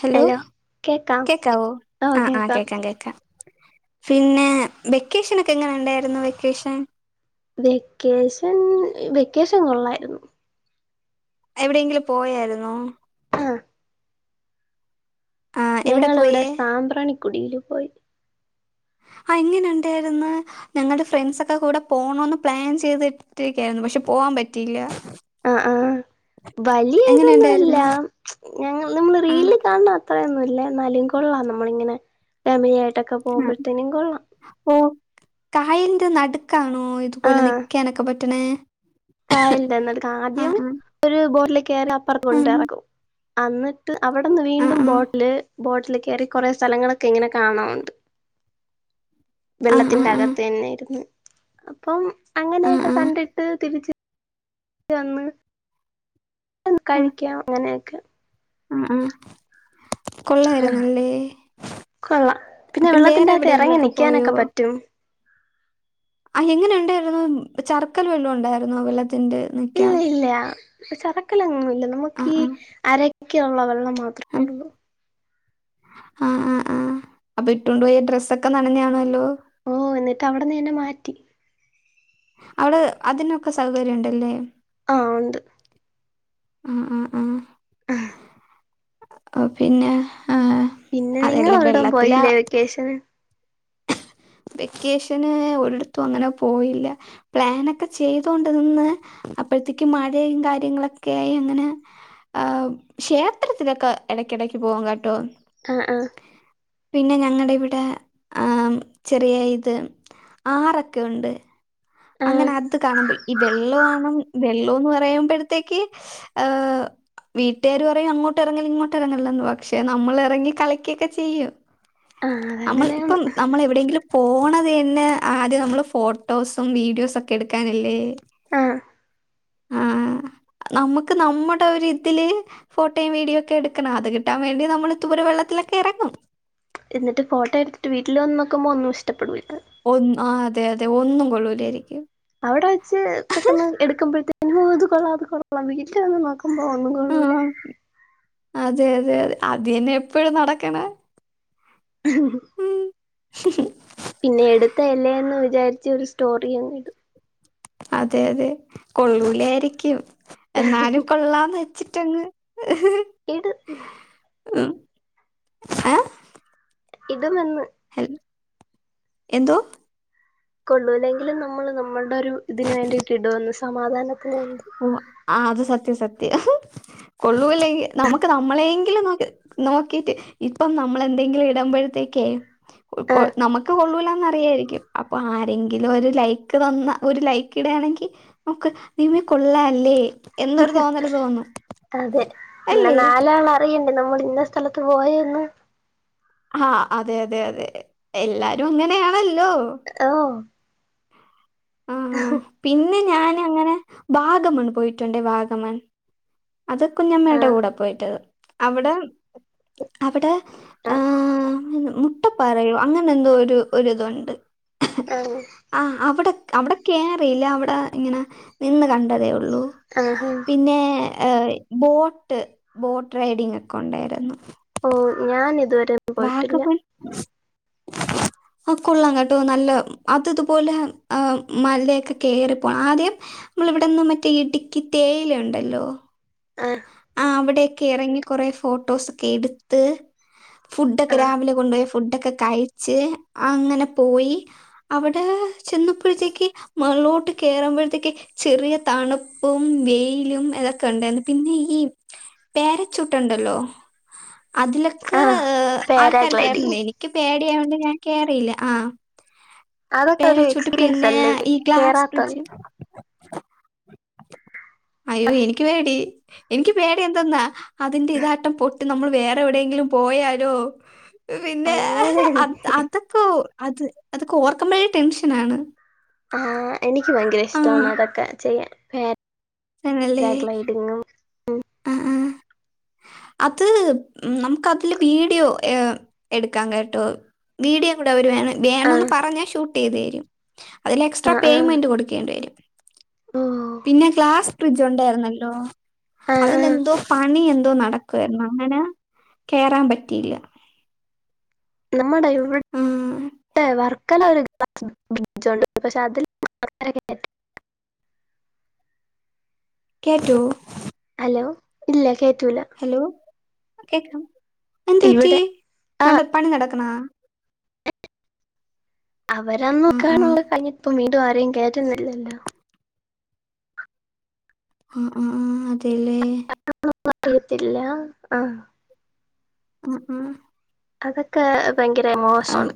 Hello കേക്കാം കേക്കാവോ ആഹ് ആഹ് കേക്കാം കേക്കാം പിന്നെ വെക്കേഷൻ ഒക്കെ എങ്ങനെ ഉണ്ടായിരുന്നു വെക്കേഷൻ വെക്കേഷൻ വെക്കേഷൻ കൊള്ളായിരുന്നു എവിടെയെങ്കിലും പോയായിരുന്നോ? ആഹ് ആഹ് എവിടെ ഞങ്ങളിവിടെ പോയേ സാംമ്പ്രാണിക്കുടിൽ പോയി. എങ്ങനെ ഉണ്ടായിര്ന്ന്? ഞങ്ങളുടെ ഫ്രണ്ട്സക്കെ കൂടെ പോണന്ന് പ്ലാൻ ചെയ്തിട്ടിരിക്കായിരുന്നു പക്ഷെ പോവാൻ പറ്റിയില്ല അഹ് ആഹ് വലിയ എങ്ങനെ ഇതൊന്നുല്ല ഉണ്ടായിരുന്നു ഞങ്ങ നമ്മള് ആഹ് റീല് കാണ അത്രയൊന്നുല്ല ന്നാലും കൊള്ളാം നമ്മളിങ്ങനെ ഫാമിലി ആയിട്ട ആഹ് ഓഹ് കായലിന്റെ നടു ക്കാണോ ഇതുപോലെ നിക്കാനൊക്കെ പറ്റണേ കായൽൻ്റെ ന്നട്ക്ക് ആഹ് ആദ്യം ഒര്ബോട്ടില് കേറി അപ്പർത് കൊണ്ടോയ് ആഹ് അറ്ക്കും അന്നിട്ട് അവിടെന്ന് വീണ്ടും ആഹ് ബോട്ടില് ബോട്ടില് കയറി കുറേ സ്ഥലങ്ങളൊക്കെ ഇങ്ങനെ കാണാനുണ്ട് ആഹ് വെള്ളത്തിന്റെ ആഹ് ആഹ് ആഹ് അകത്ത് തന്നെയിരുന്നു അപ്പം ആഹ് ആഹ് അങ്ങനെയൊക്കെ കണ്ടിട്ട് തിരിച്ച് അന്ന് ആഹ് ആഹ് കഴിക്കാം അങ്ങനെയൊക്കെ ആഹ് ആഹ് കൊള്ളായിരുന്നല്ലേ കൊള്ളാം പിന്നെ വേറെ വെള്ളത്തിന്റെ അകത്ത് ഇറങ്ങി എവിടെയെങ്കിലൊക്കെ പോയോ? നിക്കാനൊക്കെ പറ്റും ആഹ് എങ്ങനെ ഉണ്ടായിരുന്നു ചർക്കല്ല് വല്ലോ ഉണ്ടായിരുന്നോ വെള്ളത്തിന്റെ നിക്കാൻ ഇല്ല ചറക്കലങ്ങും ഇല്ല ആ, നമുക്ക് ഈ ആ, അരക്കുള്ള വെള്ളം മാത്രമേ ഉള്ളൂ ആഹ് ആഹ് ആഹ് അപ്പൊ ഇട്ടൊണ്ട് പോയ ഡ്രസ്സൊക്കെ നനഞ്ഞ്കാണല്ലോ ഓഹ് എന്നിട്ട് അവിടെന്ന് തന്നെ മാറ്റി അവള് അതിനൊക്കെ സൗകര്യണ്ടല്ലേ? ആഹ് ഉണ്ട് ആഹ് ആഹ് ആഹ് ആഹ ഓഹ് പിന്നെ ആഹ് പിന്നെ നിങ്ങളൊരിടം പോയില്ലേ വെക്കേഷന്? വെക്കേഷന് ഒരിടത്തും അങ്ങനെ പോയില്ല പ്ലാനൊക്കെ ചെയ്തോണ്ട് നിന്ന് അപ്പോഴത്തേക്ക് മഴയും കാര്യങ്ങളൊക്കായി അങ്ങനെ ആഹ് ക്ഷേത്രത്തിലൊക്കെ ഇടക്കിടക്ക് പോവും കെട്ടോ ആഹ് ആഹ് പിന്നെ ഞങ്ങളിവിടെ ആം ചെറിയ ഇത് ആറൊക്കെ ഉണ്ട് ആ അങ്ങനെ അത് കാണാമ്പോയ് ഈ വെള്ളോ ആണ് വെള്ളംന്ന് പറയുമ്പോഴത്തേക്ക് ഏഹ് വീട്ടേര് പറയും അങ്ങോട്ട് ഇറങ്ങല്ല് ഇങ്ങോട്ട് ഇറങ്ങല്ല് പക്ഷേ നമ്മള് ഇറങ്ങി കളിക്കൊക്കെ ചെയ്യും ആ നമ്മൾ അതങ്ങനെയാണ് ഇപ്പം നമ്മൾ എവിടെയെങ്കിലും പോണത് തന്നെ ആദ്യം നമ്മള് ഫോട്ടോസും വീഡിയോസൊക്കെ എടുക്കാനല്ലേ ആ ആഹ് നമ്മക്ക് നമ്മുടെ ഒരിതില് ഫോട്ടോയും വീഡിയോ ഒക്കെ എടുക്കണം അത് കിട്ടാൻ വേണ്ടി നമ്മള് ഇതുപോലെ വെള്ളത്തിലൊക്കെ ഇറങ്ങും എന്നിട്ട് ഫോട്ടോ എടുത്തിട്ട് വീട്ടില് വന്ന് നോക്കുമ്പോ ഒന്നും ഇ്ടപ്പെടൂല്ലാ ഒന്നും ആഹ് അതെ അതെ ഒന്നും കൊള്ളൂലായിരിക്കും അവിടെ വച്ച് പെട്ടെന്ന് എടുക്കുമ്പോഴത്തേക്കും ഓഹ് ഇത് കൊള്ളാം അത് കൊള്ള വീട്ടിൽ വന്ന് നോക്കുമ്പോ ഒന്നും കൊള്ളൂല ആഹ് അതെ അതെ അത അതേനെ എപ്പഴും നടക്ക്ണേ ഉ [inaudible] പിന്നെ എടുത്ത അല്ലേന്ന് വിചാരിച്ച് ഒരു സ്റ്റോറി അങ്ങ് ഇടും അതെ അതെ കൊള്ളൂലായിരിക്കും എന്നാലും കൊള്ളാന്ന് ചിറ്റങ്ങ് എട് ഉം ഏഹ് ഇത് നിന്ന് ഹൽ എന്തോ കൊള്ളൂലെങ്കിലും നമ്മൾ നമ്മുടെ ഒരു ഇതിന് വേണ്ടിയിട്ട് ഇടുന്ന് സമാധാനത്തിന് വേണ്ടി ഓഹ് ആഹ് അത് സത്യം സത്യ കൊള്ളൂല്ലെങ്കിൽ നമുക്ക് നമ്മളേങ്കിലും നോക്കി നോക്കിറ്റ് ഇപ്പം നമ്മള് എന്തെങ്കിലും ഇടുമ്പോഴത്തേക്ക് ആഹ് നമുക്ക് കൊള്ളൂലന്നറിയായിരിക്കും അപ്പൊ ആരെങ്കിലും ഒരു ലൈക്ക് തന്ന ഒരു ലൈക്ക് ടയാണെങ്കി നമുക്ക് നീമേ കൊള്ളാല്ലേ എന്നൊരു തോന്നല് തോന്നും അതെ പിന്നെ അല്ലേ നാലാണ അറണ്ടണ്ട് നമ്മള ഇന്ന സ്ഥലത്ത് പോയരുന്നു ആഹ് അതെ അതെ അതെ എല്ലാരും അങ്ങനെയാണല്ലോ ഓഹ് ആഹ് പിന്നെ ഞാൻ അങ്ങനെ വാഗമൺ പോയിട്ടുണ്ട വാഗമൺ അത് കുഞ്ഞമ്മയുടെ ആഹ് കൂടെ പോയിട്ടത് അവിടെ അവിടെ ആഹ് ഇട്ടപറയൂ അങ്ങനെ എന്തോ ഒരു ഒ ഇതുണ്ട് ആഹ് അവിടെ അവിടെ കയറിയില്ല അവിടെ ഇങ്ങനെ നിന്ന് കണ്ടതേ ഉള്ളൂ ആഹ് ആഹ് ഉള്ളൂപിന്നെ ഹ ബോട്ട് ബോട്ട് റൈഡിങ് ഒക്കെ ഉണ്ടായിരുന്നു ഓഹ് ഞാൻ ഇതുവരെ പോയിട്ടില്ല വാഗമൺ ആഹ് കൊള്ളം കെട്ടും നല്ല അത് ഇതുപോലെ മലയൊക്കെ കേറിപ്പോണം ആദ്യം നമ്മള ഇവിടെന്നും മറ്റേ ഇടുക്കി തേയില ഉണ്ടല്ലോ ആഹ് ആഹ് അവിടെക്കെ ഇറങ്ങി കുറെേ ഫോട്ടോസ് ഒക്കെ എടു ത്ത് ഫുഡൊക്കെ ആഹ് രാവിലെ കൊണ്ട പോയിഫുഡൊക്കെ കഴിച്ച് അങ്ങനെ പോയി അവിടെ ചെന്നപ്പോഴത്തേക്ക് മളോട്ട് കേയറുമ്പോഴത്തേക്ക് ചെറിയ തണുപ്പും വെയിലും അതൊക്കെ ഉണ്ട് പിന്നെ ഈ പേരച്ചൂട്ടുണ്ടല്ലോ അതിലൊക്കെ ആഹ് ആൾക്കാര് പാരാഗ്ലൈഡിങ് കേയറണ്ട് എനിക്ക് പേടിയായൊണ്ട് ഞാൻ കയറിയില്ല ആഹ് അതൊക്കെ ഒരു പേരച്ചുട്ട് എക്സ്പീരിയൻസ് പിന്നെ അല്ലേ ഈ ഗ്ലാസ് ബ്രിഡ്ജ് കേറാത്തോണ്ട് അയ്യോ എനിക്ക് പേടി എനിക്ക് പേടി എന്തെന്നാ അതിന്റെ ഇതാട്ടം പൊട്ടി നമ്മൾ വേറെ എവിടെയെങ്കിലും പോയാലോ പിന്നെ അങ്ങനെ അതൊക്കെ അത് അതൊക്കെ ഓർക്കുമ്പോഴേ ടെൻഷൻ ആണ് ആഹ് എനിക്ക് ഭയങ്കര ഇഷ്ടമാണ് അതൊക്കെ ചെയ്യാൻ ആണല്ലേ പാരാഗ്ലൈഡിങ്ങും ആഹ് ആഹ് അത് നമുക്ക് അതില് വീഡിയോ എടുക്കാം കേട്ടോ വീഡിയോ കൂടെ അവർ വേ വേണന്ന് ആഹ് പറഞ്ഞാൽ ഷൂട്ട് ചെയ്തേക്കുന്നേ അതില് എക്സ്ട്രാ ആഹ് ആഹ് പേയ്മെന്റ് കൊടുക്കേണ്ടി വരും ഓ പിന്നെ ഗ്ലാസ്ഫ്രിഡ്ജ് ഉണ്ടായിരുന്നല്ലോ ആഹ് ആഹ് അതിലെന്തോ പണി എന്തോ നടക്കുവായിരുന്നു അങ്ങനെ കേയറാൻ പറ്റിയില്ല നമ്മുടെ ആഹ് ഇവിടെ വർക്കല ഒരു ബ്രിജ് ഉണ്ട് പക്ഷെ അതില് കേറാൻ [unintelligible] [unintelligible] കേറ്റോ ഹലോ ഇല്ല കേറ്റൂല ഹലോ കേക്കാം എന്ത്പറ്റി ഇവിടെ ആ നട പണി നടക്കണ ആഹ് ആഹ് അവരന്നൊക്കണുള്ള കഴിഞ്ഞിട്ട [unintelligible] ഇപ്പ വീടും ആരും കേറ്റുന്നില്ലല്ലോ ആഹ് ആഹ് ആഹ് അതല്ലേ ത്തില്ല ആഹ് [unintelligible] ആഹ് ആഹ് അതൊക്കെ ഭയങ്കര ആഹ് മോശമാണ്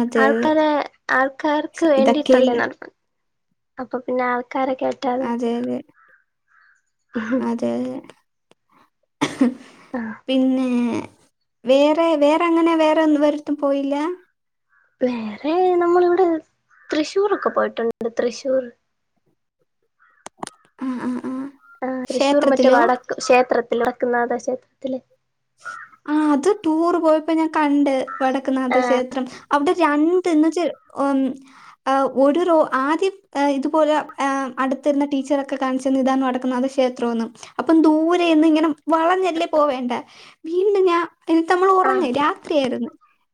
അതെ അതെ ആൾക്കാരെ ആൾക്കാർക്ക് ശ്ശെ, വേണ്ടിട്ടല്ലേ ഇതൊക്കെയല്ലേ അപ്പൊ പിന്നെ ആൾക്കാര കേറ്റാതെ അതെതെ ഉ! ! ! ! ! അതെ ആഹ് പിന്നെ വേറെ വേറെങ്ങനെ വേറെ ഒന്നും വരത്തും പോയില്ല? വേറെ നമ്മളിവിടെ തൃശ്ശൂർൊക്കെ പോയിട്ടുണ്ട്. തൃശ്ശൂർ ആഹ് ആഹ് ആഹ് ആ തൃ്ശൂർ മറ്റേ ക്ഷേത്രത്തിലോ വടക്ക് ക്ഷേത്രത്തിൽ വടക്കനാഥ ക്ഷേത്രത്തില് ആഹ് അത് ടൂറ് പോയപ്പോ ഞാൻ കണ്ട് വടക്ക്നാഥ ആ ക്ഷേത്രം അവിടെ രണ്ട്ന്ന്ച് ഉം ആഹ് ഒരു റു ആദ്യം ഇതുപോലെ അടുത്തിരിന്ന ടീച്ചറൊക്കെ കാണിച്ചെന്ന് ഇതാണ് വടക്കു നാഥ ക്ഷേത്രം ക്ഷേത്രന്നും അപ്പം ദൂരെന്ന് ഇങ്ങനെ വളഞ്ഞല്ലേ പോവേണ്ട വീണ്ടും ഞാൻ ഇന്നിട്ട് നമ്മൾ ഉറങ് ആ രാത്രിയായിരുന്നു.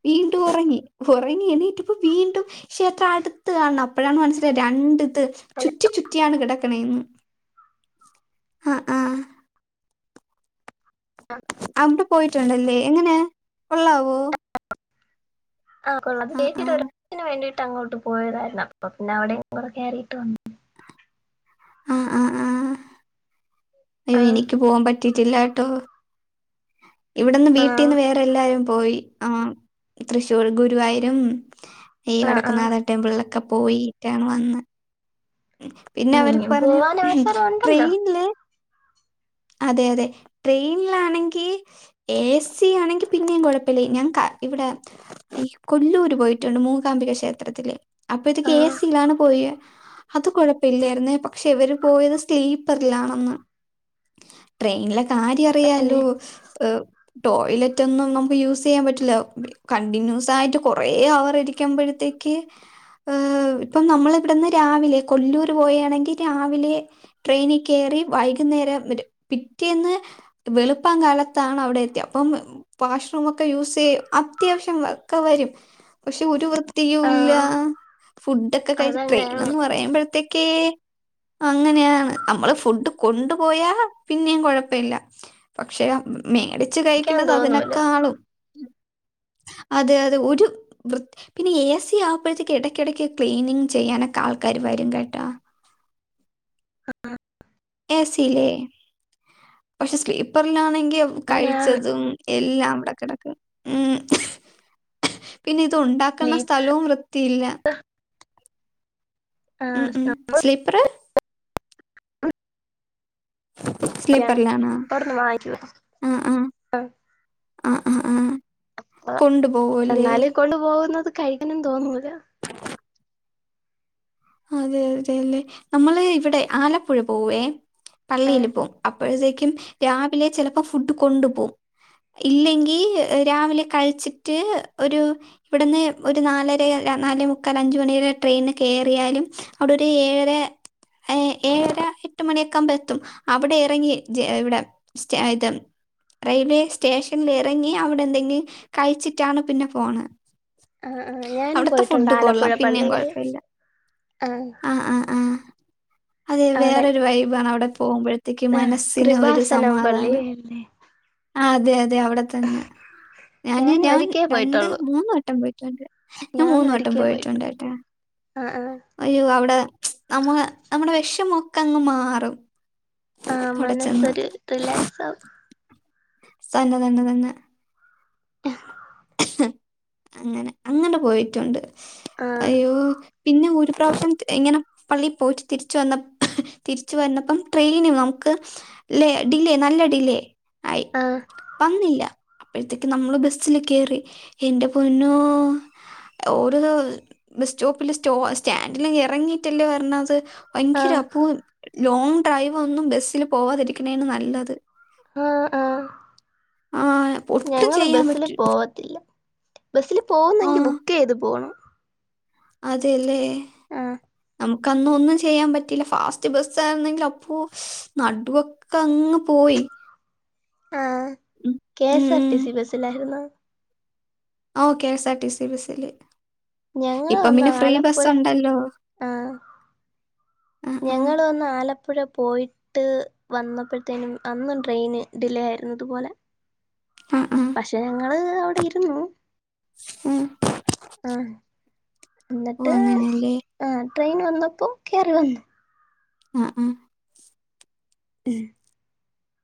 വീണ്ടും ഉറങ്ങി. ഉറങ്ങി എണിറ്റപം വീണ്ടും ക്ഷേത്രം അടുത്ത് കാണണം. അപ്പഴാണ് മനസ്സിലായത് രണ്ട് ത് ചുറ്റി ചുറ്റിയാണ് കിടക്കണന്ന്. ആഹ് ആഹ് ആഹ് അവിടെ പോയിട്ടുണ്ടല്ലേ? എങ്ങനെ കൊള്ളാവോ? ആ കൊള്ള കേിട്ടന് വേണ്ടിയിട്ട് അങ്ങോട്ട് [inaudible] [inaudible] പോയതായിരുന്നു. അപ്പൊ പിന്നെ അവിടെ കയറിയിട്ട് വന്നു. ആഹ് ആഹ് ആഹ് അയ്യോ ആ എനിക്ക് പോവാൻ പറ്റിയിട്ടില്ല കേട്ടോ. ഇവിടെന്ന് വീട്ടിന്ന് ആ വേറെ എല്ലാരും പോയി. ആഹ് തൃശ്ശൂർ ഗുരുവായൂരും ഈ ആ ആ വടക്കനാഥ ടെമ്പിളിലൊക്കെ പോയിട്ടാണ് വന്ന്. പിന്നെ അവർക്ക് ഇനിയും പറഞ്ഞു പോവാൻ അവസരം ഉണ്ടല്ലോ ട്രെയിനില് അതെ അതെ. ട്രെയിനിലാണെങ്കിൽ ഏ സി യാണെങ്കിൽ പിന്നെ കുഴപ്പല്ല. ഞാൻ കാ ഇവിടെ ഈ കൊല്ലൂര് പോയിട്ടുണ്ട്. മൂകാംബിക ക്ഷേത്രത്തില് അപ്പൊ ഇത് ആ ഏ സിയില്ലാണ്ട് പോയേ. അത് കൊഴപ്പല്ലായിരുന്നേ പക്ഷെ ഇവര് പോയത് സ്റ്റീപ്പറിലാണെന്ന്. ട്രെയിനിലെ തന്നെ കാര്യയറിയാലോ? ഏഹ് ടോയ്ലറ്റ് ഒന്നും നമുക്ക് യൂസ് ചെയ്യാൻ പറ്റില്ല. കണ്ടിന്യൂസായിട്ട് കുറേ അവർ ഇരിക്കുമ്പോഴത്തേക്ക് ഇപ്പം നമ്മള ഇവിടുന്ന് രാവിലെ കൊല്ലൂർ പോയയാണെങ്കിൽ രാവിലെ ട്രെയിനി കേറി വൈകുന്നേരം വരും. പിറ്റേന്ന് വെളുപ്പാൻ കാലത്താണ് അവിടെ എത്തിയത്. അപ്പം വാഷ്റൂമൊക്കെ യൂസ് ചെയ്യും. അത്യാവശ്യം ഒക്കെ വരും. പക്ഷെ ഒരു വൃ ത്തിയു ആ ല്ല. ഫുഡ് ഒക്കെ കഴി ട്രെയിൻ അതങ്ങനെയാണ് എന്ന് പറയുമ്പോഴത്തേക്കേ അങ്ങനെയാണ്. നമ്മള് ഫുഡ് കൊണ്ടു പോയാ പിന്നെയും കുഴപ്പ ഇല്ല. പക്ഷെ മേടിച്ചു ഇരിക്കാൻ കഴിക്കുന്നത് തോന്നൂല അതിനൊക്കാളും അതെ അതെ ഒരു വൃ പിന്നെ എ സി ആവുമ്പോഴത്തേക്ക് ഇടയ്ക്കിടയ്ക്ക് ക്ലീനിങ് ചെയ്യാനൊക്കെ ആൾക്കാാര് വരും. കേട്ടോ എ സില്ലേ പക്ഷെ സ്ലീപ്പറിലാണേ ക്യോ അങ്ങനെയാണ് കഴിച്ചതും എല്ലാം അവടെ കെടക്കും. മ് പിന്നെ ഇത് ഉണ്ടാക്കുന്ന സ്ലീപ്പ് സ്ഥലവും വൃത്തിയില്ല. ഉം ഉം സ്ലിപ്പറ് സ്ലീപ്പറിലാണ? അവിടുന്ന് വാങ്ങിക്കുക ആഹ് ആഹ് ആ, ആഹ് ആ ഹ് ആഹ് അ എന്നാലും കൊണ്ടു പോകുന്നത് കഴിക്കാനും തോന്നൂല. അതെ അതെല്ലെ നമ്മള് ഇവിടെ ആലപ്പുഴ പോവേ ആ പള്ളിൽ പോവും. അപ്പോഴത്തേക്കും രാവിലെ ചിലപ്പോ ഫുഡ് കൊണ്ടു പോകും. ഇല്ലെങ്കിൽ രാവിലെ കഴിച്ചിട്ട് ഒരു ഇവിടുന്ന് ഒരു നാലര നാലേ മുക്കാൽ അഞ്ചു മണി വരെ ട്രെയിൻ കേറി യാലും അവടെ ഒരു ഏഴര ഏ ഏഴര എട്ട് മണിയൊക്കെ ആകുമ്പോ എത്തും. അവിടെ ഇറങ്ങി ഇവിടെ സ്റ്റായ് തെൻ റെയിൽവേ സ്റ്റേഷനിൽ ഇറങ്ങി അവിടെ എന്തെങ്കിലും കഴിച്ചിട്ടാണ് പിന്നെ പോണത്. ആഹ് ആഹ് ഞാനും പോയിട്ടുണ്ട് ആലപ്പുഴ കൊള്ളാം പിന്നെയും പള്ളിയില് കൊഴപ്പല്ല. ആഹ് ആഹ് ആഹ് ആഹ് അതെ അവിടെ വേറൊരു വൈബാണ് അവിടെ പോകുമ്പഴ് ത്തേക്ക് ആ മനസ്സിന് ഒരു കൃപാസനം സമാദാനം പള്ളിയല്ലേ ആഹ് അതെ അതെ അവിടെത്തന്നെ ഞാന് ഞാൻ ഒരിക്കേ രണ്ട് പോയിട്ടുള്ളൂ മൂന്ന് വട്ടം പോയിട്ടുണ്ട് ഞാൻ മൂന്നു വട്ടം പോയിട്ടുണ്ട് കേട്ടോ ആഹ് ആഹ് അയ്യോ അവിടെ നമ്മള് നമ്മുടെ വെഷമൊക്കെ അങ്ങ് മാറും ആഹ് അവിടെ ചെന്ന്. മനസ്സൊരു റിലാക്സാവും തന്ന തന്നെ തന്നെ ഉ അങ്ങനെ അങ്ങനെ പോയിട്ടുണ്ട് ആഹ് അയ്യോ പിന്നെ ഒരു പ്രാവശ്യം ഇങ്ങനെ പള്ളീ പോയിട്ട് തിരിച്ചു വന്ന തിരിച്ചു വന്നപ്പം ട്രെയിനി നമുക്ക് ലേ ഡിലേ നല്ല ഡിലേ ആയി ആഹ് വന്നില്ല അപ്പഴത്തേക്ക് നമ്മള് ബസ്സില് കേറി എന്റെ പൊന്നോ ഓരോ ബസ് സ്റ്റോപ്പില് സ്റ്റോ സ്റ്റാൻഡിലും എറങ്ങിയിട്ടല്ലേ വരണത് ഭയങ്കര ആഹ് അപ്പൂ ലോങ് ഡ്രൈവ് ഒന്നും ബസ്സിൽ പോവാതിരിക്കണണേണ് നല്ലത് ആഹ് ആഹ് ആ ഒട്ടും ഞങ്ങള് ചെയ്യാൻ ബസില് പറ്റും പോവത്തില്ല ബസ്സില് പോവുന്നെങ്കിൽ ബുക്ക് ചെയ്ത് പോണം അതേലെ ആഹ് നമുക്ക് അന്ന് ഒന്നും ചെയ്യാൻ പറ്റില്ല ഫാസ്റ്റ് ബസ്സ് ആര്ന്നെങ്കിൽ അപ്പോ നടുവൊക്കെ അങ്ങ് പോയി ആഹ് ഉം, കെ എസ് ആർ ഉം. ടി സി ബസ്സിലാരുന്നോ? ഓ K S R T C ബസ്സില് ഞങ്ങള് അന്ന് ആലപ്പുഴ ഉണ്ടല്ലോ ആഹ് ആ ആ ഞങ്ങളും അന്ന് ആല പ്പുഴ പോയിട്ട് വന്നപ്പഴത്തേനും അന്നും ട്രെയിൻ ഡിലേ ആയിര്ന്നു ഇതുപോലെ ആ ആ പക്ഷെ ഞങ്ങള് അവിടെ ഇരുന്നു ഉം ആഹ് ഓഹ് എന്നിട്ട് അങ്ങനെയല്ലേ ആ ട്രെയിൻ വന്നപ്പോൾ കേറി വന്നു ആഹ് ആഹ് ഉം